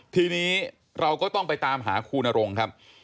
ทีนี้เราก็ต้องไปตามหาครูนรงค์ครับ